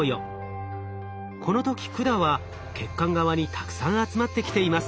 この時管は血管側にたくさん集まってきています。